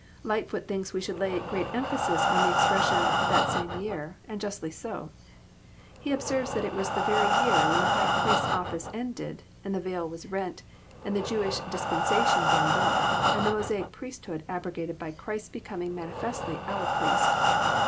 Lightfoot thinks we should lay great emphasis on the expres sion, '* that same year," and justly so. — He observes that it was the very year when the high priest*s ofllce ended, and the veil was rent, and the Jewish dispensation wound up, and the Mosaic priesthood abrogated by Christ's becoming manifestly our Priest.